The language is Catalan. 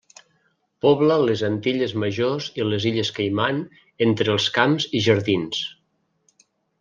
Pobla les Antilles majors i les illes Caiman entre els camps i jardins.